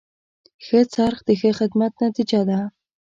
ښه خرڅ د ښه خدمت نتیجه ده.